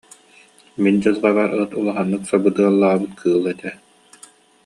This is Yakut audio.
Мин дьылҕабар ыт улаханнык сабыдыаллаабыт кыыл ээ